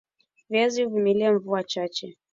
viazi huvumilia mvua chache